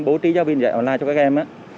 bố trí giáo viên dạy online cho các em